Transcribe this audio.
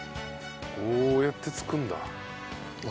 こうやって作るんだ。